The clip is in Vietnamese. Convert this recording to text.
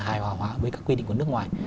hài hòa hóa với các quy định của nước ngoài